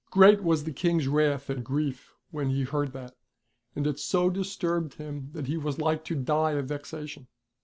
Great was the King's wrath and grief when he heard that ; and it so disturbed him that he was hke to die of vexation.